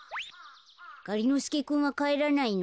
がりのすけくんはかえらないの？